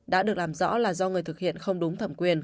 đã được làm rõ là do người thực hiện không đúng thẩm quyền